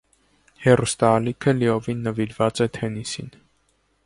Հեռուստաալիքը լիովին նվիրված է թենիսին։